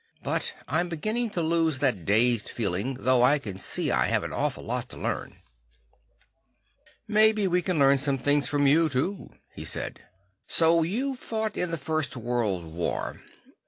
"But I'm beginning to lose that dazed feeling, though I can see I have an awful lot to learn." "Maybe we can learn some things from you, too," he said. "So you fought in the First World War.